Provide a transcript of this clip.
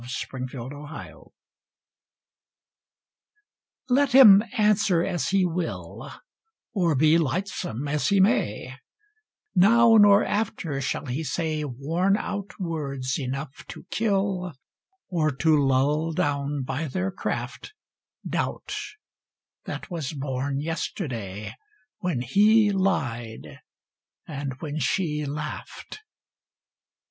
11081 THE COMPANION Let him answer as he will, Or be lightsome as he may, Now nor after shall he say Worn out words enough to kill, Or to lull down by their craft, Doubt, that was bom yesterday, When he lied and when she laughed.